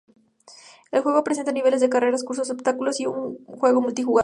El juego presenta niveles de carreras, cursos de obstáculos y un juego multijugador.